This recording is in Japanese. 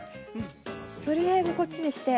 とりあえず、こっちにして。